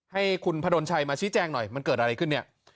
ให้คุณพดนชัยมาชี้แจงหน่อยมันเกิดอะไรขึ้นเนี่ย